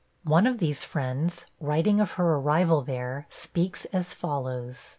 One of these friends, writing of her arrival there, speaks as follows.